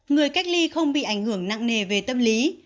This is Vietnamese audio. người cách ly không bị ảnh hưởng nặng nề về tâm lý